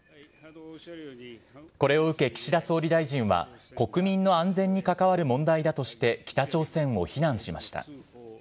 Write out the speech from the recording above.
これを受け、岸田総理大臣は、国民の安全に関わる問題だとして、北朝鮮を非難しました。